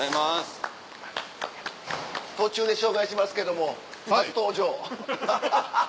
途中で紹介しますけども初登場ハハハ！